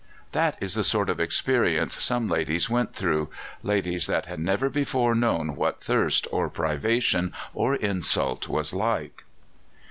That is the sort of experience some ladies went through ladies that had never before known what thirst or privation or insult was like.